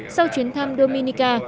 sau chuyến thăm dominica